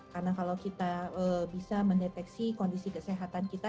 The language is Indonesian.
karena kalau kita bisa mendeteksi kondisi kesehatan kita